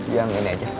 yang ini aja